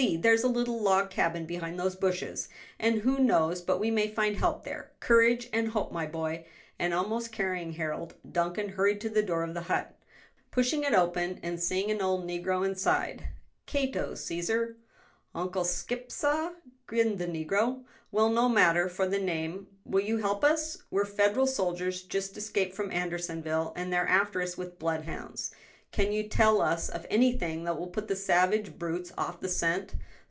there's a little log cabin behind those bushes, and who knows but we may find help there. Courage, and hope, my boy;" and almost carrying Harold, Duncan hurried to the door of the hut. Pushing it open, and seeing an old negro inside, "Cato, Cæsar " "Uncle Scip, sah," grinned the negro. "Well, no matter for the name; will you help us? We're Federal soldiers just escaped from Andersonville, and they're after us with bloodhounds. Can you tell us of anything that will put the savage brutes off the scent?"